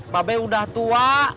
pak be udah tua